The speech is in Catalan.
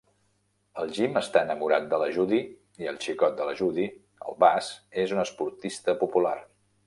El Jim està enamorat de la Judy i el xicot de la Judy, el Buzz, és un esportista popular.